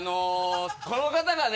この方がね